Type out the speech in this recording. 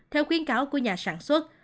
theo khuyến cáo của nhà sản xuất